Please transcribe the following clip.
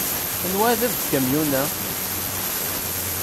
Anwa i d bab n ukamyun-a?